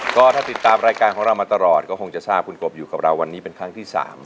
ก็ถ้าติดตามรายการของเรามาตลอดก็คงจะทราบคุณกบอยู่กับเราวันนี้เป็นครั้งที่๓